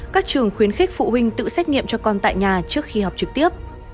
các trường khuyến khích phụ huynh tự xét nghiệm cho con tại nhà trước khi học trực tiếp